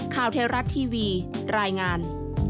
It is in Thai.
ข่าวเทราะท์ทีวีรายงาน